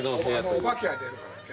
お化けが出るからって。